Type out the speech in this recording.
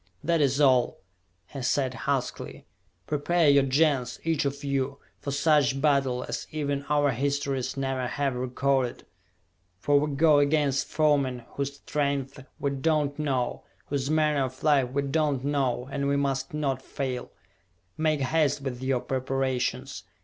"That is all," he said huskily. "Prepare your Gens, each of you, for such battle as even our histories never have recorded! For we go against foemen whose strength we do not know, whose manner of life we do not know, and we must not fail! Make haste with your preparations!